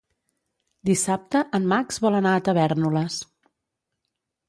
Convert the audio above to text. Dissabte en Max vol anar a Tavèrnoles.